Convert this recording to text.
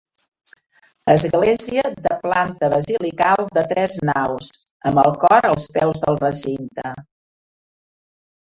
Església de planta basilical de tres naus amb el cor als peus del recinte.